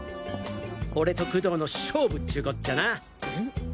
俺と工藤の勝負っちゅうこっちゃな！